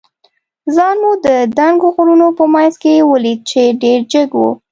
ځان مو د دنګو غرونو په منځ کې ولید، چې ډېر جګ ول.